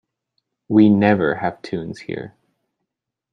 We never have tunes here.